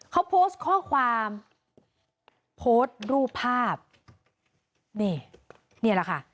เขาโพสต์ข้อความโพสต์รูปภาพนี่นี่แหละค่ะ